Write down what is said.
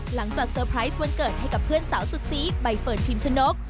เซอร์ไพรส์วันเกิดให้กับเพื่อนสาวสุดซีใบเฟิร์นพิมชนก